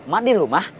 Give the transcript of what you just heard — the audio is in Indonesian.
mak di rumah